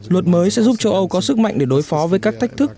luật mới sẽ giúp châu âu có sức mạnh để đối phó với các thách thức